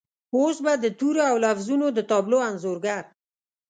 اوس به د تورو او لفظونو د تابلو انځورګر